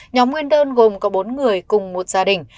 nhóm nguyên đơn gồm có bốn người cùng một gia đình